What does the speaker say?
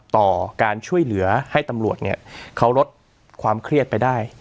ต่อการช่วยเหลือให้ตำรวจเนี่ยเขาลดความเครียดไปได้